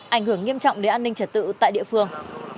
ảnh hưởng nghiêm trọng đến an ninh trật tự tại địa phương